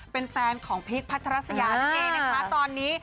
เป็นแฟนของพีคพัทรัสยานั่นเองนะคะตอนนี้